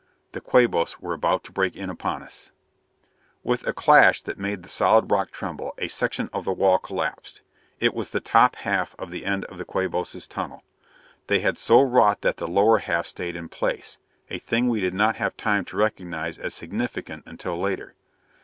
The Quabos were about to break in upon us! With a crash that made the solid rock tremble, a section of the wall collapsed. It was the top half of the end of the Quabos' tunnel. They had so wrought that the lower half stayed in place a thing we did not have time to recognize as significant until later.